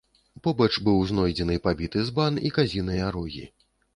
Побач быў знойдзены пабіты збан і казіныя рогі.